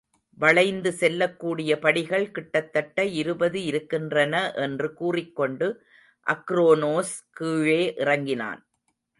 வளைந்து செல்லக்கூடிய படிகள் கிட்டத்தட்ட இருபது இருக்கின்றன என்று கூறிக்கொண்டு அக்ரோனோஸ் கீழே இறங்கினான்.